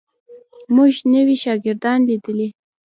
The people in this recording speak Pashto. موږ نوي شاګردان لیدلي.